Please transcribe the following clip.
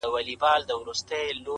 لوبي له لمبو سره بل خوند لري؛